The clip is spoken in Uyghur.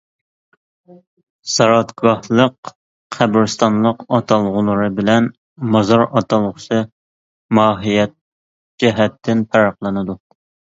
زاراتگاھلىق، قەبرىستانلىق ئاتالغۇلىرى بىلەن مازار ئاتالغۇسى ماھىيەت جەھەتتىن پەرقلىنىدۇ.